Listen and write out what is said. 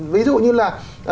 ví dụ như là